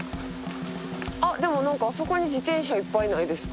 あっでもなんかあそこに自転車いっぱいないですか？